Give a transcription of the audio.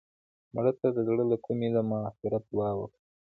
مړه ته د زړه له کومې د مغفرت دعا وکړه